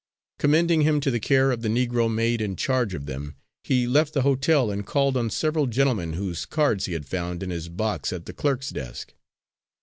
Commending him to the care of the Negro maid in charge of them, he left the hotel and called on several gentlemen whose cards he had found in his box at the clerk's desk.